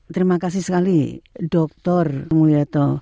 terima kasih sekali dr mulyato